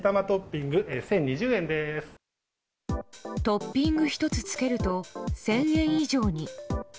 トッピング１つつけると１０００円以上に。